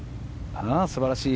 素晴らしい。